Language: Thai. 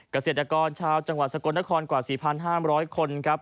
เกษตรกรชาวจังหวัดสกลนครกว่า๔๕๐๐คนครับ